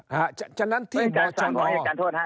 การสั่งของพนักงานฮะ